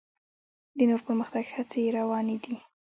د نور پرمختګ هڅې یې روانې دي.